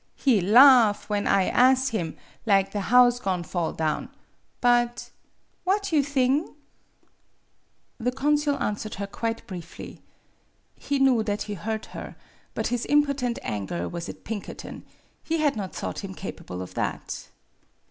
He laugh, when I as' him, lig the house go'n' fall down. But what you thing ?" The consul answered her quite briefly. He knew that he hurt her, but his impotent anger was at Pinkerton; he had not thought him capable of that.